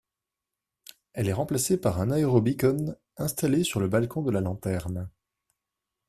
Elle est remplacée par un Aerobeacon installée sur le balcon de la lanterne.